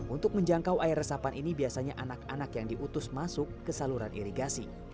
untuk menjangkau air resapan ini biasanya anak anak yang diutus masuk ke saluran irigasi